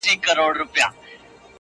ستاسي ذات باندي جامې مو چي گنډلي .!